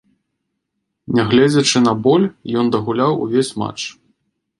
Нягледзячы на боль, ён дагуляў увесь матч.